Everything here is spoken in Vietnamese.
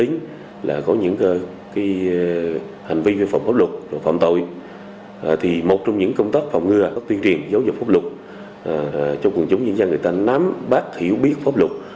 hành vi vi phạm pháp luật phạm tội thì một trong những công tác phạm ngừa có tuyên truyền giấu dục pháp luật cho quần chúng nhân dân người ta nắm bác hiểu biết pháp luật